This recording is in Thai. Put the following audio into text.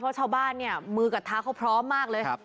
เพราะชาวบ้านเนี่ยมือกับเท้าเขาพร้อมมากเลย